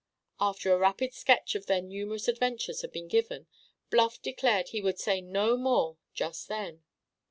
After a rapid sketch of their numerous adventures had been given, Bluff declared he would say no more just then.